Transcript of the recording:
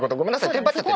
テンパっちゃって。